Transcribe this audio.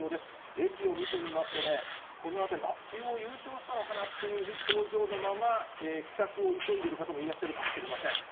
駅を見てみますとね、このあたり、あっ、慶応優勝したのかなという表情のまま、帰宅を急いでいる方もいらっしゃるかもしれません。